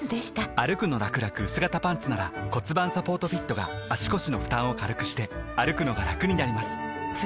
「歩くのらくらくうす型パンツ」なら盤サポートフィットが足腰の負担を軽くしてくのがラクになります覆个△